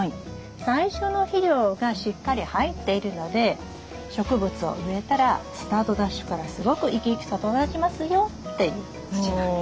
最初の肥料がしっかり入っているので植物を植えたらスタートダッシュからすごく生き生きと育ちますよという土なんです。